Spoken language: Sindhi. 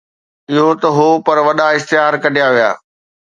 اهو نه هو، پر وڏا اشتهار ڪڍيا ويا